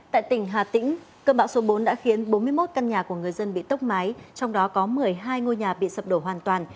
tại tỉnh hà tĩnh cơn bão số bốn đã khiến bốn mươi một căn nhà của người dân bị tốc mái trong đó có một mươi hai ngôi nhà bị sập đổ hoàn toàn